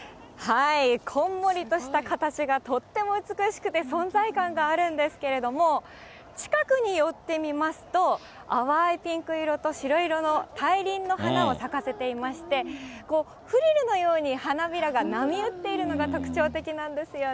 こんもりとした形がとっても美しくて存在感があるんですけれども、近くによって見ますと、淡いピンク色と白色の大輪の花を咲かせていまして、こう、フリルのように、花びらが波打っているのが特徴的なんですよね。